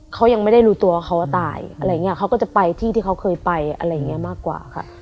เขายังไม่ได้รู้ตัวว่าเขาตายอะไรอย่างนี้เขาก็จะไปที่ที่เขาเคยไปอะไรอย่างนี้มากกว่าค่ะ